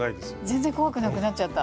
全然怖くなくなっちゃった。